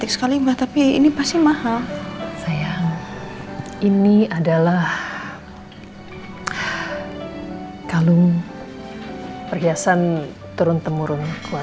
sampai jumpa di video selanjutnya